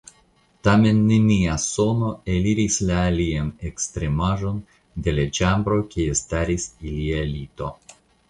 Tamen nenia sono eliris la alian ekstremaĵon de la ĉambro kie staris ilia lito.